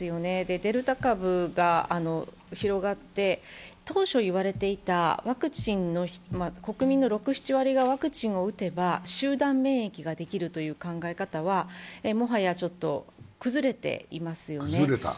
デルタ株が広がって、当初言われていた国民の６７割がワクチンを打てば集団免疫ができるという考え方は、もはや崩れていますよね。